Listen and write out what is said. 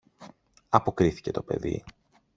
αποκρίθηκε το παιδί.